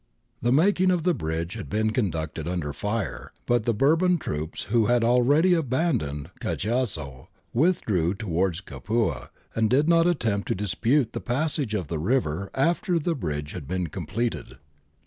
^ The making of the bridge had been conducted under fire, but the Bourbon troops, who had already abandoned Cajazzo, withdrew towards Capua and did not attempt to dispute the passage of the river after the bridge had been completed.